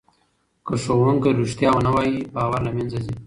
که ښوونکی رښتیا ونه وایي باور له منځه ځي.